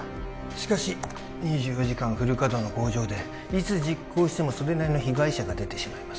しかし２４時間フル稼働の工場でいつ実行してもそれなりの被害者が出てしまいます